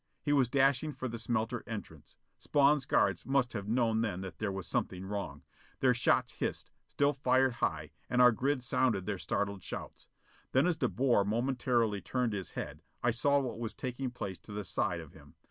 He was dashing for the smelter entrance. Spawn's guards must have known then that there was something wrong. Their shots hissed, still fired high, and our grid sounded their startled shouts. Then as De Boer momentarily turned his head, I saw what was taking place to the side of him.